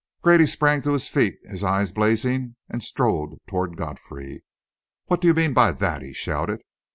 Grady sprang to his feet, his eyes blazing, and strode toward Godfrey. "What do you mean by that?" he shouted.